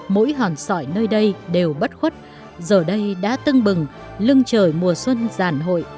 mỗi hòn sỏi nơi đây đều bất khuất giờ đây đã tưng bừng lưng trời mùa xuân giàn hội